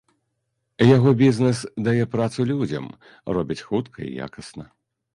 Яго бізнэс дае працу людзям, робяць хутка і якасна.